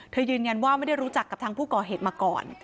ยืนยันว่าไม่ได้รู้จักกับทางผู้ก่อเหตุมาก่อน